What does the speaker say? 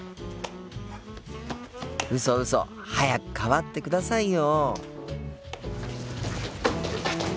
うそうそ早く代わってくださいよ。